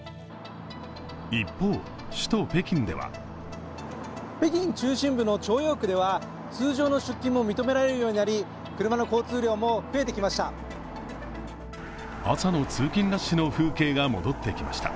一方、首都・北京では北京中心部の朝陽区では、通常の出勤が認められるようになりました。